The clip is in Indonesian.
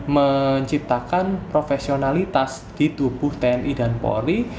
menciptakan profesionalitas di tubuh tni dan polri